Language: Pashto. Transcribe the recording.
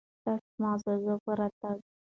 ستاسو معززو په راتګ